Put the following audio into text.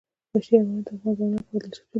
وحشي حیوانات د افغان ځوانانو لپاره دلچسپي لري.